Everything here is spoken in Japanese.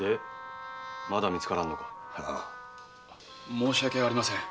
申し訳ありません。